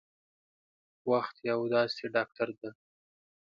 وخت یو داسې ډاکټر دی